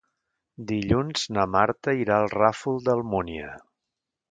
Dilluns na Marta irà al Ràfol d'Almúnia.